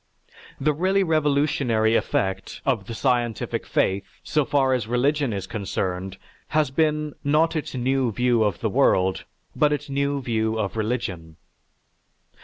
The really revolutionary effect of the scientific faith, so far as religion is concerned, has been not its new view of the world, but its new view of religion.